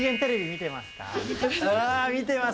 見てます。